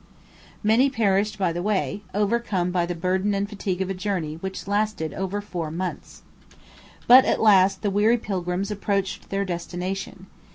Many perished by the way, overcome by the burden and fatigue of a journey which lasted over four months. But at last the weary pilgrims approached their destination.